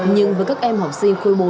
nhưng với các em học sinh khối bốn